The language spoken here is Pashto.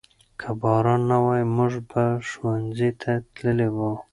که باران نه وای موږ به ښوونځي ته تللي وو.